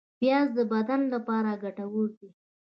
پیاز د بدن لپاره ګټور دی